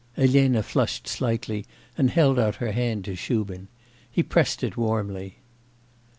Elena flushed slightly and held out her hand to Shubin. He pressed it warmly.